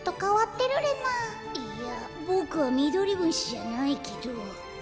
いやボクはミドリムシじゃないけど。